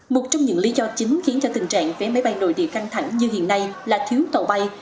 một trong những lý do chính khiến cho tình trạng vé máy bay nội địa căng thẳng như hiện nay là thiếu tàu bay